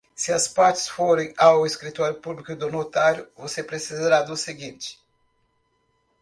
Se as partes forem ao escritório público do notário, você precisará do seguinte: